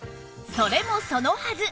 それもそのはず